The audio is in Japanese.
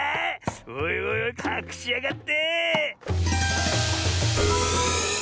おいおいおいかくしやがって。